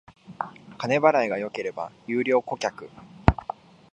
金払いが良ければ優良顧客